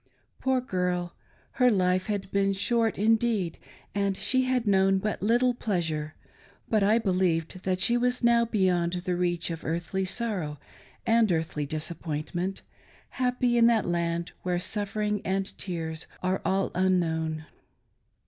Poor girl ! her life had been short indeed, and she had known but little pleasure, but I believed that she was now beyond the reach of earthly sorrow and earthly disappointment, happy in that land where suffering and tears are all unknown.